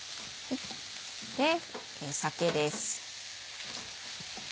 酒です。